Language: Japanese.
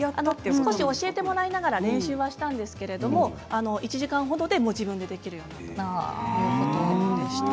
少し教えてもらいながら練習したんですけど１時間程で自分でできるようになったということでした。